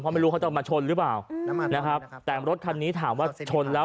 ไม่รู้เขาจะมาชนหรือเปล่านะครับแต่รถคันนี้ถามว่าชนแล้ว